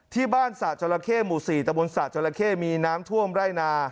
ที่บ้านสระจละเข้องหมู่สี่ตะบนสระจละเข้งมีน้ำท่วมไร่นา